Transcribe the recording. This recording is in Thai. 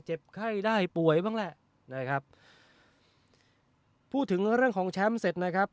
ไข้ได้ป่วยบ้างแหละนะครับพูดถึงเรื่องของแชมป์เสร็จนะครับ